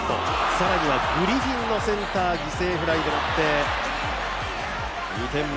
更にはグリフィンのセンター犠牲フライによって、２点目。